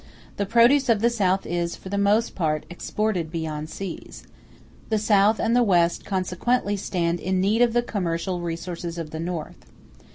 The produce of the South is, for the most part, exported beyond seas; the South and the West consequently stand in need of the commercial resources of the North.